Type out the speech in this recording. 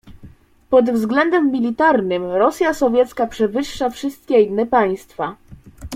"Pod względem militarnym Rosja Sowiecka przewyższa wszystkie inne państwa."